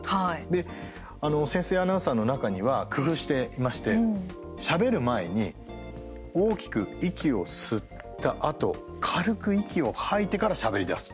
で、潜水アナウンサーの中には工夫していまして、しゃべる前に大きく息を吸ったあと軽く息を吐いてからしゃべりだす。